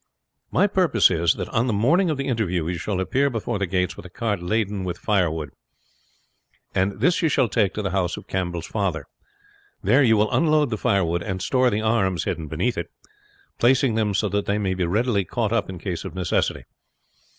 My purpose is, that on the morning of the interview you shall appear before the gates with a cart laden with firewood, and this you shall take to the house of Campbell's father. There you will unload the firewood, and store the arms hidden beneath it, placing them so that they may be readily caught up in case of necessity.